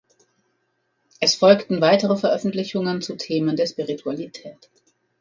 Es folgten weitere Veröffentlichungen zu Themen der Spiritualität.